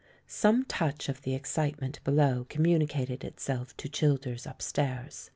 Some touch of the excitement below communi cated itself to Childers upstairs.